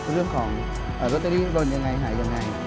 เรื่องของลอตเตอรี่โดนยังไงหายังไง